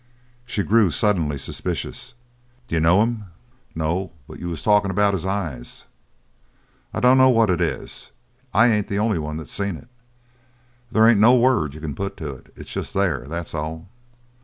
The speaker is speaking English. She grew suddenly suspicious. "D' you know him?" "No. But you was talkin' about his eyes?" "I dunno what it is. I ain't the only one that's seen it. There ain't no word you can put to it. It's just there. That's all."